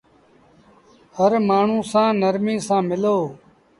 هر مآڻهوٚݩ سآݩ نرمي سآݩ ملو۔